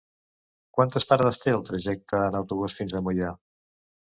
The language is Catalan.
Quantes parades té el trajecte en autobús fins a Moià?